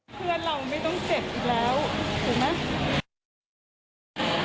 เพื่อนเราไม่ต้องเจ็บอีกแล้วถูกไหม